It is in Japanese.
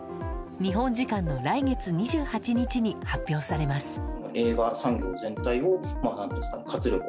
日本時間の来月２８日に発表されます。